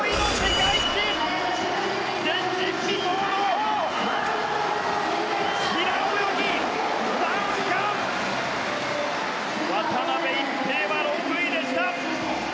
前人未到の平泳ぎ３冠！渡辺一平は６位でした。